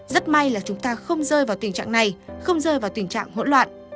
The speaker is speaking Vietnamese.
rất may là chúng ta không rơi vào tình trạng này không rơi vào tình trạng hỗn loạn